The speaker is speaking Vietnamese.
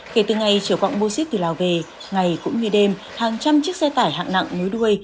kể từ ngày trở quạng bô xít từ lào về ngày cũng như đêm hàng trăm chiếc xe tải hạng nặng nối đuôi